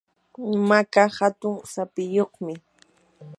maka hatun sapiyuqmi.